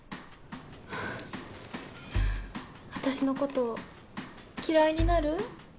私のこと嫌いになる？